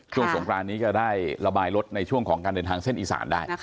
สงครานนี้จะได้ระบายรถในช่วงของการเดินทางเส้นอีสานได้